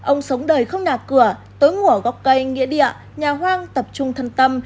ông sống đời không nạc cửa tối ngủ ở góc cây nghĩa địa nhà hoang tập trung thân tâm